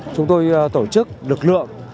chúng tôi tổ chức lực lượng